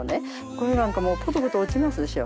これなんかもポトポト落ちますでしょ。